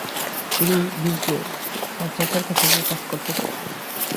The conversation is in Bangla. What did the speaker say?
তিনি ডিজনে, তার চাচার কাছে গিয়ে কাজ করতে চাইলেন।